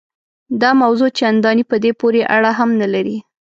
دا موضوع چنداني په دې پورې اړه هم نه لري.